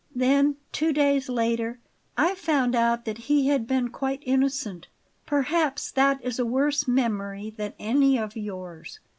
Then, two days later, I found out that he had been quite innocent. Perhaps that is a worse memory than any of yours.